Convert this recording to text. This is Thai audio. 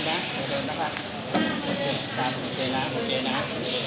อ่าโดยเดินนะโดยเดินนะคะ